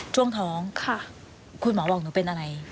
ช่วงท้องคุณหมอบอกหนูเป็นอะไร